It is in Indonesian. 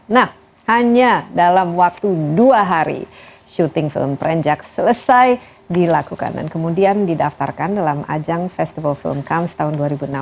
nah hanya dalam waktu dua hari syuting film prenjak selesai dilakukan dan kemudian didaftarkan dalam ajang festival film kans tahun dua ribu enam belas